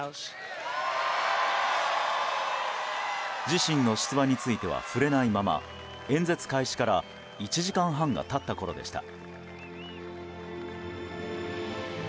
自身の出馬については触れないまま演説開始から１時間半が経ったころでした。